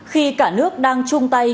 khi cả nước đang chung tay